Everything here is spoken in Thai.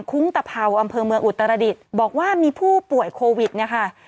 ุ้งตะเผาอำเภอเมืองอุตรดิษฐ์บอกว่ามีผู้ป่วยโควิดเนี่ยค่ะ